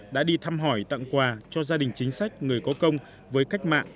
đã đi thăm hỏi tặng quà cho gia đình chính sách người có công với cách mạng